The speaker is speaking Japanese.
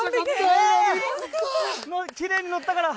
きれいに乗ったから。